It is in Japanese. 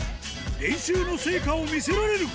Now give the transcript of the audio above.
練習の成果を見せられるか。